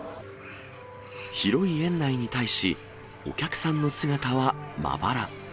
広い園内に対し、お客さんの姿はまばら。